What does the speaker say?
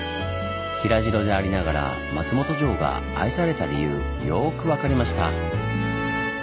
平城でありながら松本城が愛された理由よく分かりました。